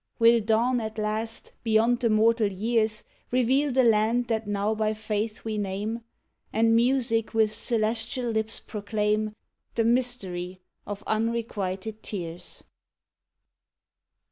Will Dawn at last, beyond the mortal years, Reveal the land that now by faith we name, And Music with celestial lips proclaim The mystery of unrequited tears?